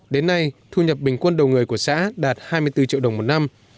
đến nay thu nhập bình quân đầu người của xã đạt hai mươi bốn triệu đồng một năm